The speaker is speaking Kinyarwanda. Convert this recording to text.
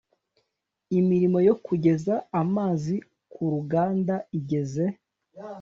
imirimo yo kugeza amazi ku ruganda igeze